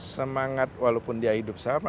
semangat walaupun dia hidup sama